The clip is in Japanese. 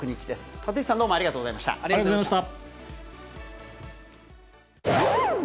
立石さん、どうもありがとうございました。